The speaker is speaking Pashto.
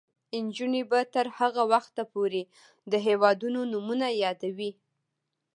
نجونې به تر هغه وخته پورې د هیوادونو نومونه یادوي.